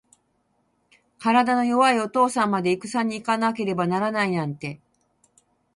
体の弱いお父さんまで、いくさに行かなければならないなんて。